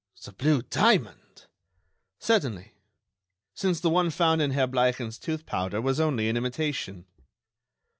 "The blue diamond!" "Certainly; since the one found in Herr Bleichen's tooth powder was only an imitation."